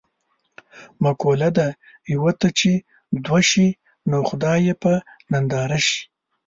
مقوله ده: یوه ته چې دوه شي نو خدای یې په ننداره شي.